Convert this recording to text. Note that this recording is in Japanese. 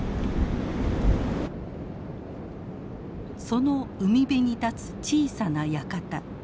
その海辺に立つ小さな館。